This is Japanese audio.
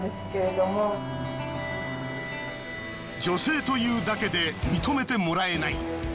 女性というだけで認めてもらえない。